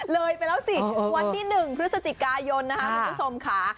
เลยไปแล้วสิวันที่๑พฤศจิกายนนะคะคุณผู้ชมค่ะ